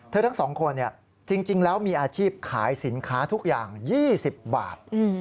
ทั้งสองคนจริงแล้วมีอาชีพขายสินค้าทุกอย่าง๒๐บาท